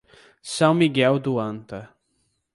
São Miguel do Anta